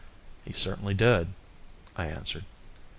"He certainly did," I answered.